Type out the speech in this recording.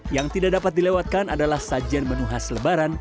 yang tidak dapat dilewatkan adalah sajian menu khas lebaran